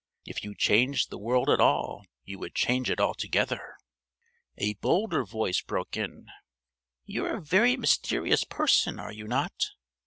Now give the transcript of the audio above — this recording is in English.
If you changed the world at all, you would change it altogether." A bolder voice broke in: "You're a very mysterious person, are you not?"